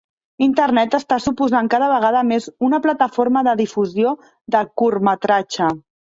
Internet està suposant cada vegada més una plataforma de difusió del curtmetratge.